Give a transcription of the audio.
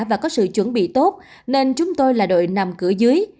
và có sự chuẩn bị tốt nên chúng tôi là đội nằm cửa dưới